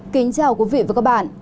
kính chào quý vị và các bạn